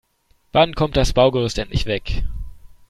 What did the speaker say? Wann kommt das Baugerüst endlich weg?